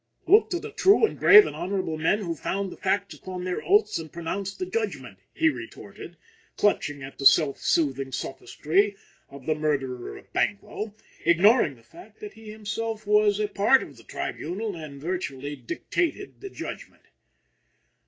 "Look to the true and brave and honorable men who found the facts upon their oaths and pronounced the judgment!" he retorted, clutching at the self soothing sophistry of the murderer of Banquo, ignoring the fact that he himself was a part of the tribunal and virtually dictated the judgment.